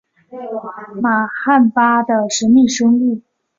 玛罕巴的神秘生物。